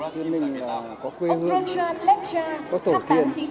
chuyên minh là có quê hương có tổ thiện